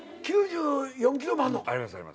ありますあります。